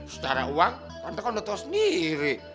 secara uang tante kan udah tau sendiri